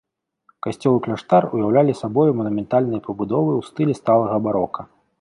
Касцёл і кляштар уяўлялі сабою манументальныя пабудовы ў стылі сталага барока.